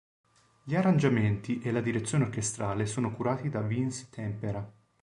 Gli arrangiamenti e la direzione orchestrale sono curati da Vince Tempera.